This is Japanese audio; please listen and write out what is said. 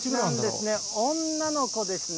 女の子ですね。